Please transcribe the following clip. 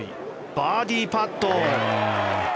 バーディーパット！